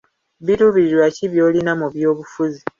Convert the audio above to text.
Birubirirwa ki by'olina mu by'obufuzi?